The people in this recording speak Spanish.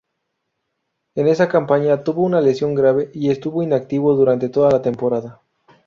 En esa campaña tuvo una lesión grave y estuvo inactivo durante toda la temporada.